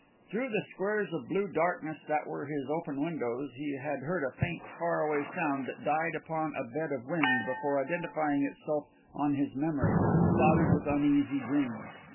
Through the squares of blue darkness that were his open windows, he had heard a faint far away sound that died upon a bed of wind before identifying itself on his memory, clouded with uneasy dreams.